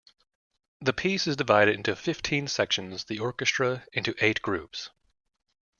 The piece is divided into fifteen sections, the orchestra into eight groups.